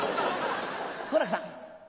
好楽さん。